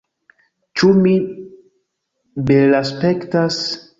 Ĉu mi belaspektas?